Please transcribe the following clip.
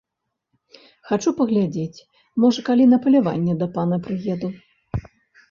Хачу паглядзець, можа, калі на паляванне да пана прыеду.